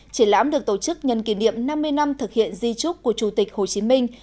triển lãm được tổ chức nhân kỷ niệm năm mươi năm thực hiện di trúc của chủ tịch hồ chí minh